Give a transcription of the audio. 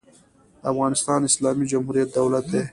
افغانستان د اسلامي جمهوري دولت دی.